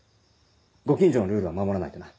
ご近所のルールは守らないとな。